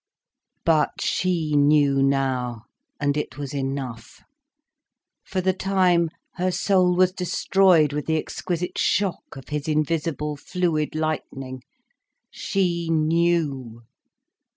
But she knew now, and it was enough. For the time, her soul was destroyed with the exquisite shock of his invisible fluid lightning. She knew.